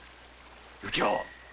右京！